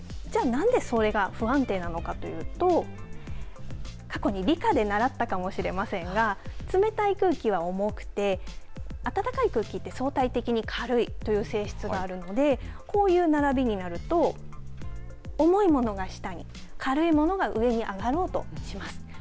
じゃあ何でそれが不安定なのかというと過去で理科で習ったかもしれませんが冷たい空気は重くて暖かい空気って相対的に軽いという性質があるのでこういう並びになると重いものが下に軽いものが上に上がろうとします。